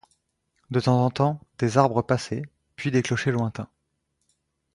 De temps en temps des arbres passaient, puis des clochers lointains.